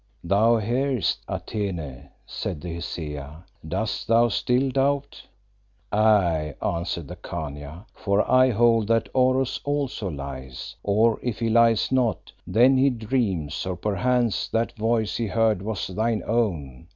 "Thou hearest, Atene," said the Hesea. "Dost thou still doubt?" "Aye," answered the Khania, "for I hold that Oros also lies, or if he lies not, then he dreams, or perchance that voice he heard was thine own.